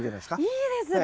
いいですね！